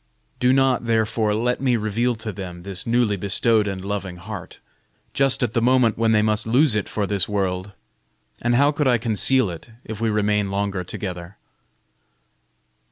Do not, therefore, let me reveal to them this newly bestowed and loving heart, just at the moment when they must lose it for this world; and how could I conceal it, if we remain longer together?"